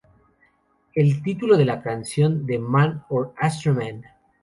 El título de la canción de Man or Astro-man?